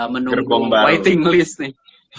menunggu waiting list nih